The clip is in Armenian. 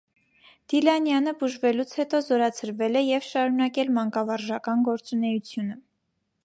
Դիլանյանը բուժվելուց հետո զորացրվել է և շարունակել մանկավարժական գործունեությունը։